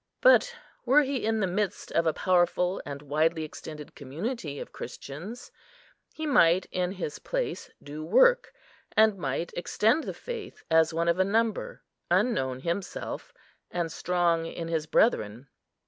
But were he in the midst of a powerful and widely extended community of Christians, he might in his place do work, and might extend the faith as one of a number, unknown himself, and strong in his brethren.